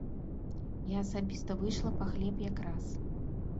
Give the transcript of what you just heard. Я асабіста выйшла па хлеб якраз.